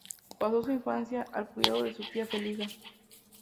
Pasó su infancia al cuidado de su tía Felisa.